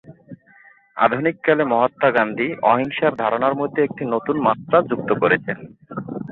আধুনিককালে মহাত্মা গান্ধী অহিংসার ধারণার মধ্যে একটি নতুন মাত্রা যুক্ত করেছেন।